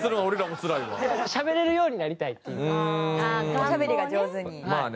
おしゃべりが上手に。